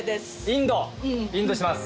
インドにします。